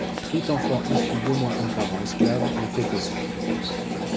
Tout enfant issu d'au moins un parent esclave l'était aussi.